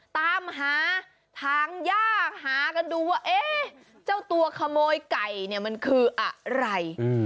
ตามหาทางยากหากันดูว่าเอ๊ะเจ้าตัวขโมยไก่เนี่ยมันคืออะไร